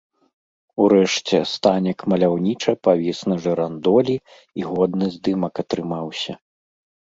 Урэшце, станік маляўніча павіс на жырандолі і годны здымак атрымаўся.